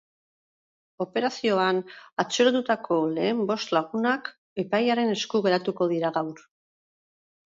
Operazioan atxilotutako lehen bost lagunak epailearen esku geratuko dira gaur.